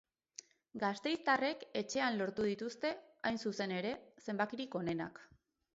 Gasteiztarrek etxean lortu dituzte, hain zuzen ere, zenbakirik onenak.